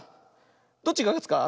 どっちがかつか？